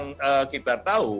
yang kita tahu